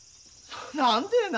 何でえな。